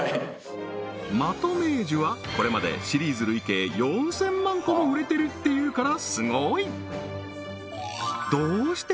マトメージュはこれまでシリーズ累計４０００万個も売れてるっていうからすごい！